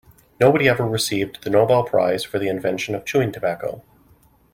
Nobody ever received the Nobel prize for the invention of chewing tobacco.